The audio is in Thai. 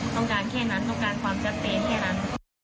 ต้องการแค่นั้นต้องการความชัดเจนแค่นั้น